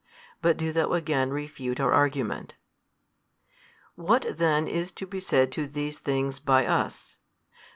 But do thou again refute our argument." What then is to be said to these things by us?